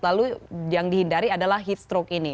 lalu yang dihindari adalah heat stroke ini